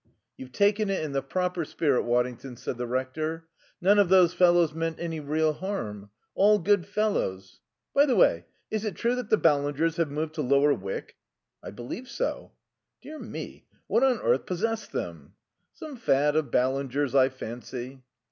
"You've taken it in the proper spirit, Waddington," said the Rector. "None of those fellows meant any real harm. All good fellows.... By the way, is it true that the Ballingers have moved to Lower Wyck?" "I believe so." "Dear me, what on earth possessed them?" "Some fad of Ballinger's, I fancy."